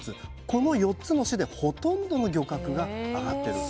この４つの市でほとんどの漁獲があがってる。